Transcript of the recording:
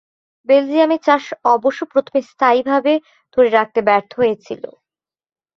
বেলজিয়ামের চাষ অবশ্য প্রথমে স্থায়ীভাবে ধরে রাখতে ব্যর্থ হয়েছিল।